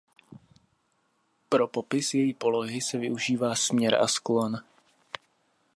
Pro popis její polohy se využívá směr a sklon.